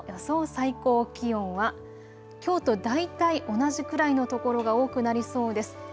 最高気温はきょうと大体同じくらいの所が多くなりそうです。